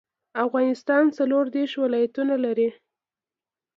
افغانستان څلور ديرش ولايتونه لري.